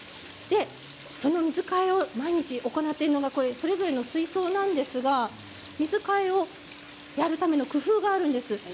その水替えを毎日行っているのがこちらの水槽なんですが水替えをやるための工夫があるんです。